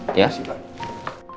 terima kasih pak